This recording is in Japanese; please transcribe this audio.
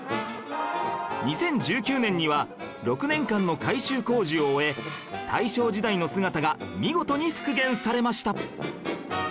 ２０１９年には６年間の改修工事を終え大正時代の姿が見事に復元されました